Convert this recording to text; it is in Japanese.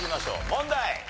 問題！